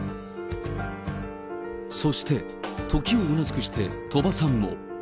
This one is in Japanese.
そして、時を同じくして鳥羽さんも。